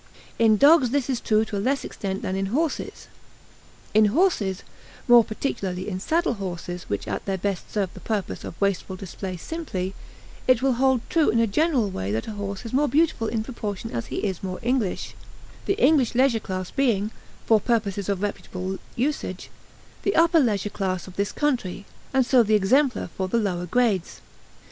In dogs this is true to a less extent than in horses. In horses, more particularly in saddle horses which at their best serve the purpose of wasteful display simply it will hold true in a general way that a horse is more beautiful in proportion as he is more English; the English leisure class being, for purposes of reputable usage, the upper leisure class of this country, and so the exemplar for the lower grades.